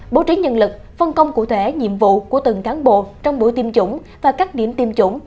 bố trí nhân lực phân công cụ thể nhiệm vụ của từng cán bộ trong buổi tiêm chủng và các điểm tiêm chủng